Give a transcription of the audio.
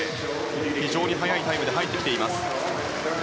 非常に速いタイムで入っています。